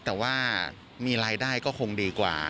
แต่ว่ามีรายได้ก็คงดีกว่า